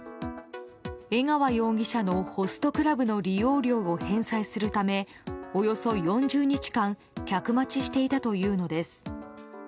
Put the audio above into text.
江川容疑者のホストクラブの利用料を返済するためおよそ４０日間客待ちしていたというのです。